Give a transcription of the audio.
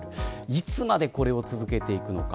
いつまでこれを続けていくのか。